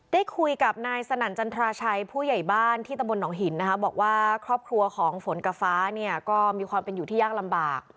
ได้คุยกับนายสนั่นจันทราชัยผู้ใหญ่บ้านที่ตำบลหนองหินนะคะบอกว่าครอบครัวของฝนกับฟ้าเนี่ยก็มีความเป็นอยู่ที่ยากลำบาก